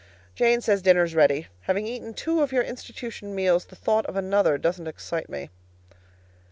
Jane says dinner's ready. Having eaten two of your institution meals, the thought of another doesn't excite me.